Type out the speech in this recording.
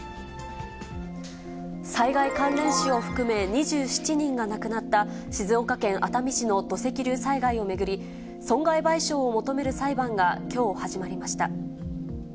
災害関連死を含め２７人が亡くなった静岡県熱海市の土石流災害を巡り、損害賠償を求める裁判が、きょう始まりました。